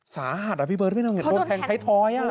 สาหัสอ่ะพี่เบิร์ดไม่น่าว่าอย่าโดนแพงไทยท้อยอ่ะ